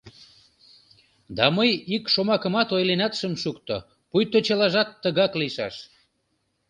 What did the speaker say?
Да мый ик шомакымат ойленат шым шукто, пуйто чылажат тыгак лийшаш.